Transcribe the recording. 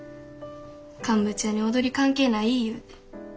乾物屋に踊り関係ない言うて。